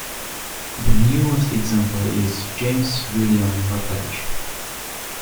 The newest example is James William Rutledge.